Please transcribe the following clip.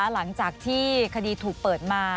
หลังจากที่คดีถูกเปิดมา